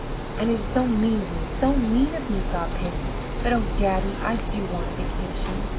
"And it is so mean of me, so mean of me!" sobbed Peggy. "But, oh, daddy, I do want a vacation!"